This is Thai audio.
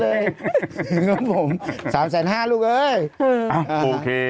ครับผมสามแสนห้าลูกเอ้ยเอ้อโอเค